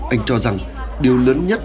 anh cho rằng điều lớn nhất